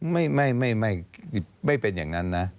ไม่ไม่เป็นอย่างนั้นนะ